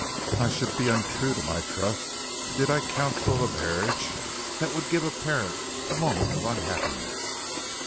I should be untrue to my trust did I counsel a marriage that would give a parent a moment of unhappiness.